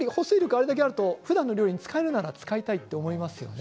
あれだけあるとふだんの料理にも使いたいと思いますよね。